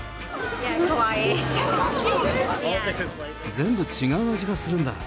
全部違う味がするんだ。